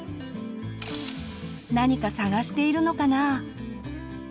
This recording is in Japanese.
何か探しているのかな？